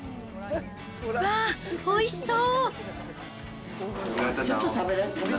うわー、おいしそう。